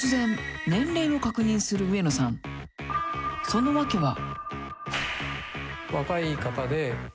［その訳は］